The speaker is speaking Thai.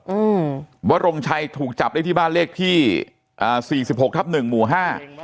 อืมวรงชัยถูกจับได้ที่บ้านเลขที่อ่าสี่สิบหกทับหนึ่งหมู่ห้า